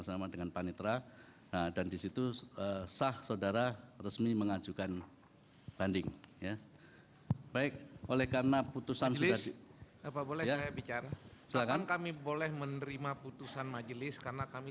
selama tujuh hari ini setelah diucapkan putusan ini